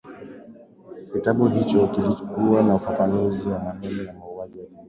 kitabu hicho kilikuwa na ufafanuzi wa maneno wa mauaji ya kimbari